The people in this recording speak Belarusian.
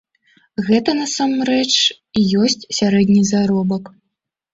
Гэта насамрэч і ёсць сярэдні заробак.